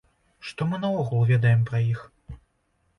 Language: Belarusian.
Што мы наогул ведаем пра іх?